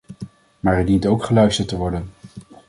Maar er dient ook geluisterd te worden.